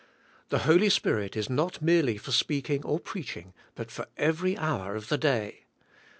The Holy Spirit is not merely for speaking or preaching, but for eyery hour of the day.